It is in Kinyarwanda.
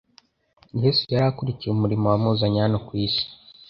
Yesu yari akurikiye umurimo wamuzanye hano mu isi,